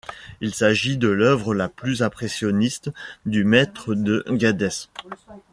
Il s'agit de l'œuvre la plus impressionniste du maître de Gadès.